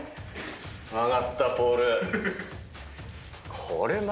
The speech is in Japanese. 曲がったポール。